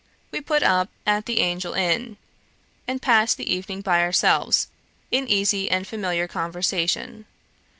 We put up at the Angel inn, and passed the evening by ourselves in easy and familiar conversation.